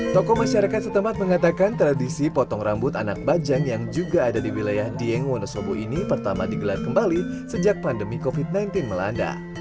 tokoh masyarakat setempat mengatakan tradisi potong rambut anak bajang yang juga ada di wilayah dieng wonosobo ini pertama digelar kembali sejak pandemi covid sembilan belas melanda